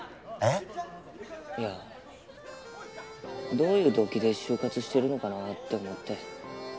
どういう動機で就活してるのかなって思って